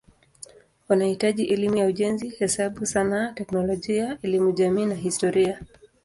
Wanahitaji elimu ya ujenzi, hesabu, sanaa, teknolojia, elimu jamii na historia.